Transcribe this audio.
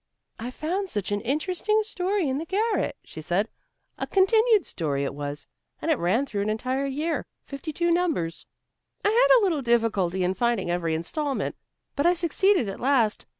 "I found such an interesting story in the garret," she said, "a continued story it was, and it ran through an entire year, fifty two numbers. I had a little difficulty in finding every instalment, but I succeeded at last.